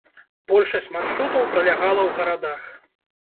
Большасць маршрутаў пралягала ў гарадах.